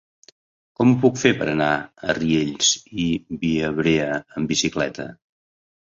Com ho puc fer per anar a Riells i Viabrea amb bicicleta?